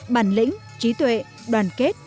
bản lĩnh trí tuệ đoàn kết